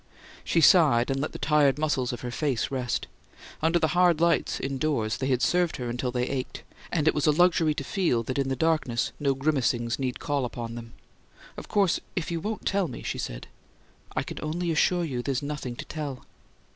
She sighed, and let the tired muscles of her face rest. Under the hard lights, indoors, they had served her until they ached, and it was a luxury to feel that in the darkness no grimacings need call upon them. "Of course, if you won't tell me " she said. "I can only assure you there's nothing to tell."